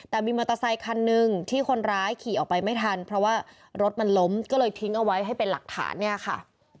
แต่มีมอเตอร์ไซคันหนึ่งที่คนร้ายขี่ออกไปไม่ทันเพราะว่ารถมันล้มก็เลยทิ้งเอาไว้ให้เป็นหลักฐานเนี่ยค่ะ